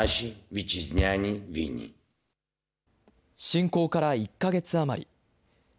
侵攻から１か月余り。